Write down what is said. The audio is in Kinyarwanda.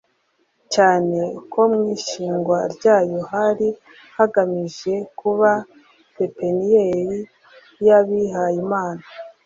cyane ko mu ishingwa ryayo hari hagamije kuba pepiniyeri y’abihayimana